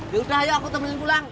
yaudah ayo aku temuin pulang